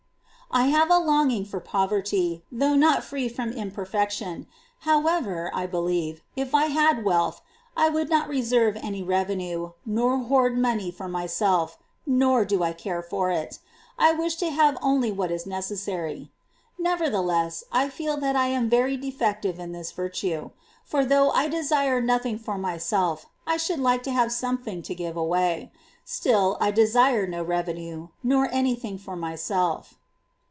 10. I have a longing for poverty, though not free from imperfection ; however, I believe, if I had wealth, I would not reserve any revenue, nor hoard money for myself, nor do I care for it ; I wish to have only what is neces sary. Nevertheless, I feel that I am very defective in this virtue ; for, though I desire nothing for myself, I should like to have something to give away : still, I desire no revenue, nor any thing for myself.